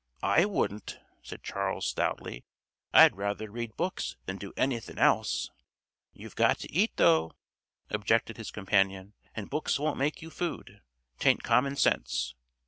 "I wouldn't," said Charles stoutly. "I'd rather read books than do anythin' else." "You've got to eat though," objected his companion, "and books won't make you food. 'Tain't common sense."